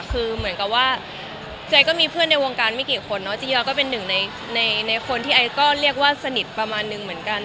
คือเหมือนกับว่าเจ๊ก็มีเพื่อนในวงการไม่กี่คนเนาะจียอก็เป็นหนึ่งในคนที่ไอก็เรียกว่าสนิทประมาณนึงเหมือนกัน